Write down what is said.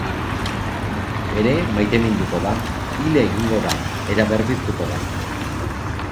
Ere maiteminduko da, hil egingo da eta berpiztuko du.